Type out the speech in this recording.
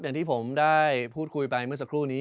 อย่างที่ผมได้พูดคุยไปเมื่อสักครู่นี้